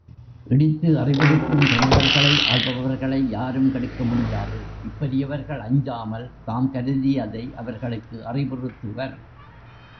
இடித்து அறிவுறுத்தும் துணைவர்களை ஆள்பவர்களை யாரும் கெடுக்க முடியாது இப் பெரியவர்கள் அஞ்சாமல் தாம் கருதியதை அவர்களுக்கு அறிவுறுத்துவர்.